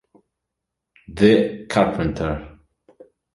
The Carpenter